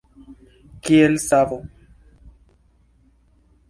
Kiel savo.